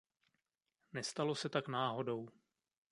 Nestalo se tak náhodou.